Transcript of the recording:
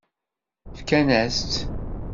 Fkan-as-tt.